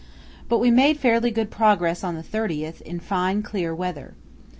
But we made fairly good progress on the 30th in fine, clear weather.